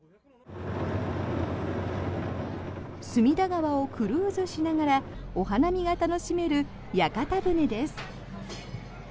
隅田川をクルーズしながらお花見を楽しめる屋形船です。